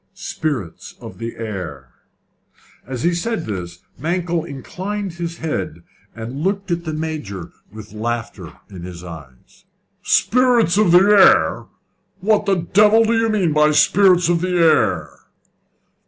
"Spirits of the air." As he said this Mankell inclined his head and looked at the Major with laughter in his eyes. "Spirits of the air! What the devil do you mean by spirits of the air?"